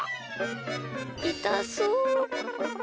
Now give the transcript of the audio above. いたそう。